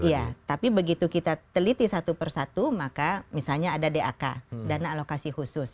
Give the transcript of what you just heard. iya tapi begitu kita teliti satu persatu maka misalnya ada dak dana alokasi khusus